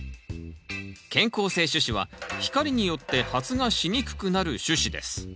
嫌光性種子は光によって発芽しにくくなる種子です